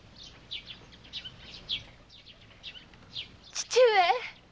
父上！